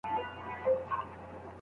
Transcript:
ځنګل د زمرو څخه خالي نه وي.